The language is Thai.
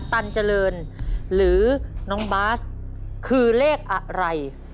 ตันเจริญหรือน้องบาสคือเลขอะไร